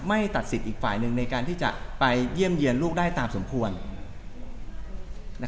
ไม่ตัดสิทธิ์อีกฝ่ายหนึ่งในการที่จะไปเยี่ยมเยี่ยนลูกได้ตามสมควร